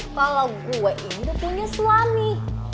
kalo gue ini tuh punya suami